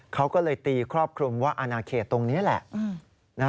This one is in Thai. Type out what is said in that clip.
เขาก็เลยตีครอบคลุมว่าอนาเขตตรงนี้แหละ